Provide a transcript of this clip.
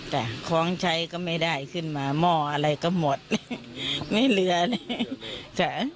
ของใช้ก็ไม่ได้ขึ้นมาหม้ออะไรก็หมดไม่เหลือเลยจ้ะ